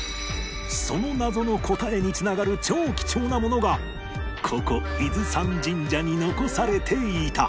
その謎の答えに繋がる超貴重なものがここ伊豆山神社に残されていた